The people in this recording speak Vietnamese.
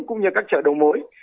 cũng như các chợ đầu mối